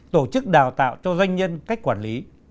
tổ chức đào tạo cho doanh nhân cách quản lý